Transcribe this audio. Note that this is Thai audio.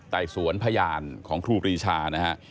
ไต่สวนพยานของครูปรีชานะฮะ